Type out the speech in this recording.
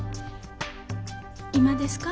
今ですか？